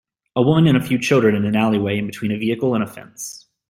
A woman and a few children in an alleyway in between a vehicle and a fence